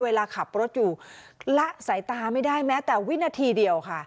เวลาขับรถอยู่ละสายตาไม่ได้แม้แต่วินาทีเดียวค่ะ